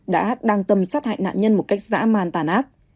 đã đang tâm sát hại nạn nhân một cách dã man tàn ác